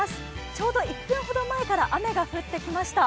ちょうど１分ほど前から雨が降ってきました。